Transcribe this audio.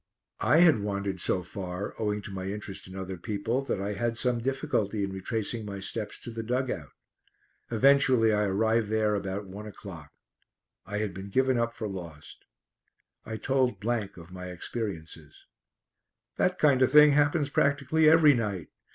I had wandered so far, owing to my interest in other people, that I had some difficulty in retracing my steps to the dug out. Eventually I arrive there about one o'clock. I had been given up for lost. I told of my experiences. "That kind of thing happens practically every night.